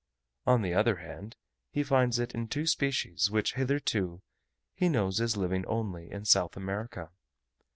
On the other hand, he finds in it two species which hitherto he knows as living only in South America.